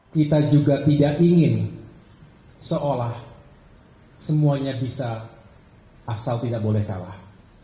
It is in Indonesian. kita juga tidak ingin seolah semuanya bisa asal tidak boleh kalah